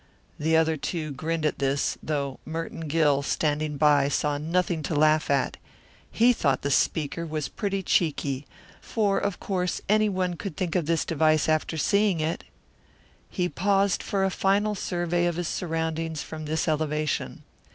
The other two grinned at this, though Merton Gill, standing by, saw nothing to laugh at. He thought the speaker was pretty cheeky; for of course any one could think of this device after seeing it. He paused for a final survey of his surroundings from this elevation.